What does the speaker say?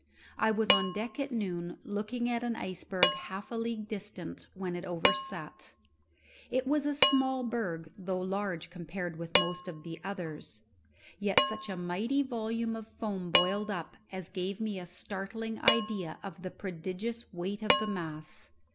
I was on deck at noon, looking at an iceberg half a league distant when it overset. It was a small berg, though large compared with most of the others; yet such a mighty volume of foam boiled up as gave me a startling idea of the prodigious weight of the mass.